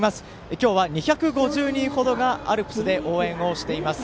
今日は２５０人程がアルプスで応援をしています。